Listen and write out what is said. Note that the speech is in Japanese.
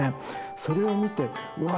それを見てわあ